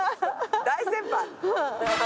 大先輩。